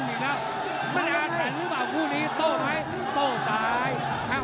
หรือเปล่าคู่นี้โต๊ะไหนโต๊ะซ้าย